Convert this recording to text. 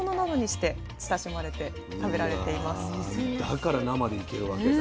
だから生でいけるわけだ。